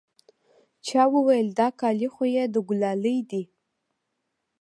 چا وويل دا کالي خو يې د ګلالي دي.